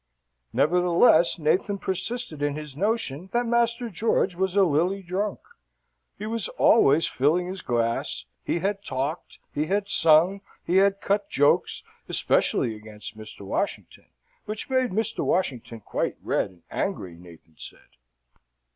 Nevertheless, Nathan persisted in his notion that Master George was a lilly drunk. He was always filling his glass, he had talked, he had sung, he had cut jokes, especially against Mr. Washington, which made Mr. Washington quite red and angry, Nathan said.